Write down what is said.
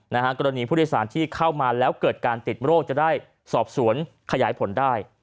นะฮะกรณีวิทยาศาลที่เข้ามาแล้วเกิดการติดโบรกต์จะได้สอบสวนขยายผลได้